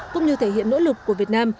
cũng như thể hiện nỗ lực của việt nam